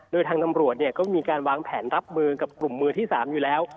โดยทางตำรวจก็มีการวางแผนรับมือกับกลุ่มมือที่๓อยู่แล้ว